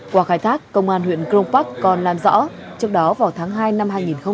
qua khai thác công an huyện cron park còn làm rõ trước đó vào tháng hai năm hai nghìn một mươi tám